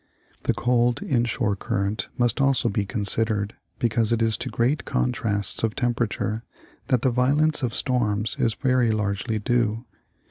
The cold inshore current must also be considered, because it is to great contrasts of temperature that the violence of storms is very largely due.